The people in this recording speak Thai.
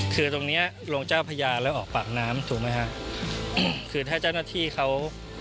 คือตรงเนี้ยลงเจ้าพญาแล้วออกปากน้ำถูกไหมฮะอืมคือถ้าเจ้าหน้าที่เขา